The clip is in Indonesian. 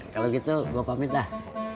kalau gitu gue pamit dah